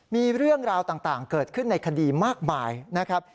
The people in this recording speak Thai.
มีเรื่องราวต่างเกิดขึ้นในคดีมากมายนะครับ